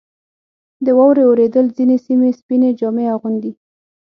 • د واورې اورېدل ځینې سیمې سپینې جامې اغوندي.